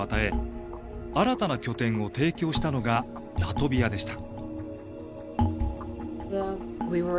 新たな拠点を提供したのがラトビアでした。